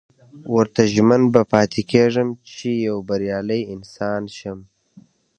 ورته ژمن به پاتې کېږم چې يو بريالی انسان شم.